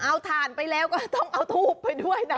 เอาถ่านไปแล้วก็ต้องเอาทูบไปด้วยนะ